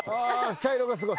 茶色がすごい。